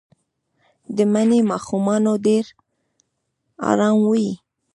د مني ماښامونه ډېر ارام وي